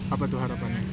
apa tuh harapannya